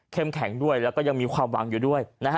เข้มแข็งด้วยแล้วก็ยังมีความหวังอยู่ด้วย